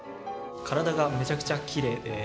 体がめちゃくちゃきれいで。